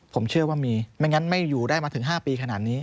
ผมเชื่อว่ามีไม่งั้นไม่อยู่ได้มาถึง๕ปีขนาดนี้